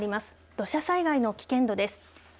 土砂災害の危険度です。